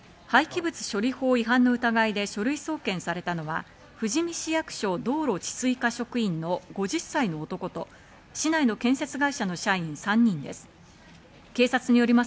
廃棄物処理法違反の疑いで書類送検されたのは富士見市役所道路治水課職員の５０歳の男と市内の建設会社の社員３人です。